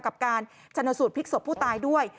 กับการชนสูตรพลิกศพผู้ตายด้วย